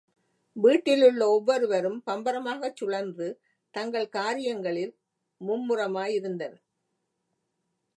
வீட்டிலுள்ள ஒவ்வொருவரும் பம்பரமாக சுழன்று தங்கள் காரியங்களில் மும்முரமாயிருந்தனர்.